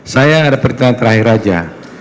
saya ada pertanyaan terakhir aja